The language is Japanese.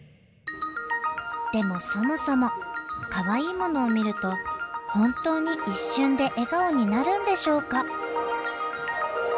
でもそもそもかわいいものを見ると本当に一瞬で笑顔になるんでしょうか？